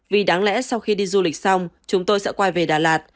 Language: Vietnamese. vì đáng lẽ sau khi đi du lịch xong chúng tôi sẽ quay về đà lạt